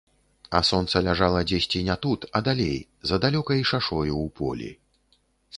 А сонца ляжала дзесьці не тут, а далей, за далёкай шашою ў полі.